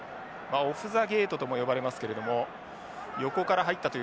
オフザゲートとも呼ばれますけれども横から入ったという反則。